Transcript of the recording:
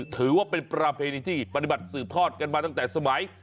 ถือว่าเป็นประเพณีที่ปฏิบัติสืบทอดกันมาตั้งแต่สมัย